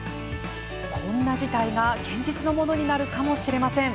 こんな事態が現実のものになるかも知れません。